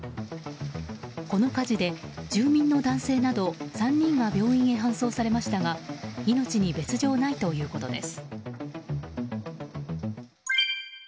この火事で、住民の男性など３人が病院へ搬送されましたが命に別状ないということです。